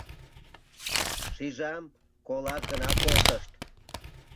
— Шижам, колаш гына колтышт.